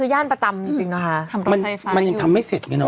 ย่านประจำจริงจริงนะคะมันยังทำไม่เสร็จไงเน